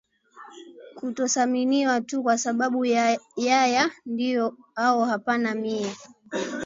kutosaminiwa tu kwa sababu ya ya ndiyo au hapana mie